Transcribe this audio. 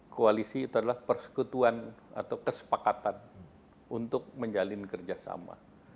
koalisi itu adalah persekutuan atau kesepakatan untuk menjalin kerjasama